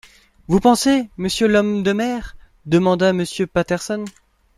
Vous pensez, monsieur l’homme de mer ?… demanda Monsieur Patterson.